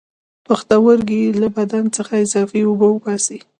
پښتورګي له بدن څخه اضافي اوبه وباسي